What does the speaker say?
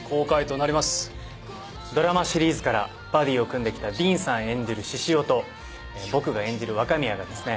ドラマシリーズからバディを組んできたディーンさん演じる獅子雄と僕が演じる若宮がですね